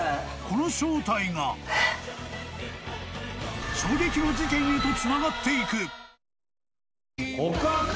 この正体が衝撃の事件へとつながっていく。